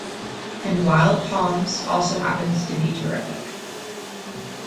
And "Wild Palms" also happens to be terrific.